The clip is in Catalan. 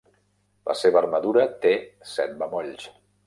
La seva armadura té set bemolls.